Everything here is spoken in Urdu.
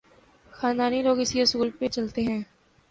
خاندانی لوگ اسی اصول پہ چلتے ہیں۔